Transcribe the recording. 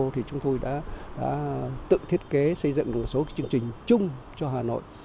thì chúng tôi đã tự thiết kế xây dựng một số chương trình chung cho hà nội